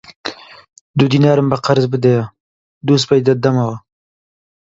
دوو دینارم بە قەرز بدەیە، دووسبەی دەتدەمەوە